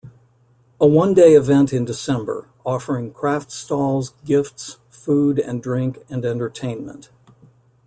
A one-day event in December, offering craft stalls, gifts, food and drink and entertainment.